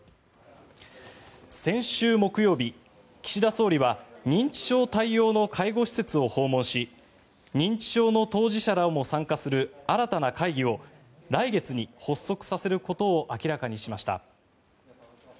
先週木曜日、岸田総理は認知症対応の介護施設を訪問し認知症の当事者らも参加する新たな会議を来月に発足させることを明らかにしました。